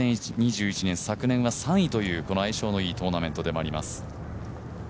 ２０２１年、昨年は３位というこの相性のいいトーナメントでもあります。